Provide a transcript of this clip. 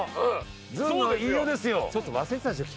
ちょっと忘れてたでしょ